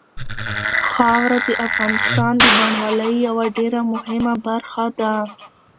خاوره د افغانستان د بڼوالۍ یوه ډېره مهمه برخه ده.